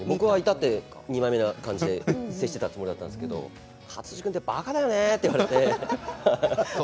僕は至って二枚目の感じで接していたんですけど勝地君ってばかだよねって言われて。